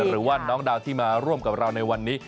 หรือว่าน้องดาวที่มาร่วมกับเราในวันนี้